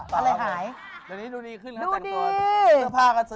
ตอนนี้ดูดีขึ้นละแต่งตัว